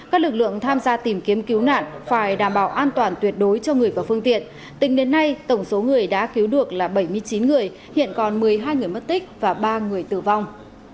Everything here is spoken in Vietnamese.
các lực lượng tham gia tìm kiếm cứu nạn phải đảm bảo an toàn tuyệt đối cho người và phương tiện tính đến nay tổng số người đã cứu được là bảy mươi chín người hiện còn một mươi hai người mất tích và ba người tử vong